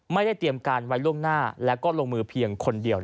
ไม่ได้เตรียมการไว้ล่วงหน้าและก็ลงมือเพียงคนเดียว